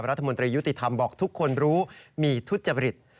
รัฐมนตรียุติธรรมบอกทุกคนรู้มีทุจริต